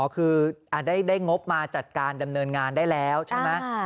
คือได้งบมาจัดการดำเนินงานได้แล้วใช่ไหม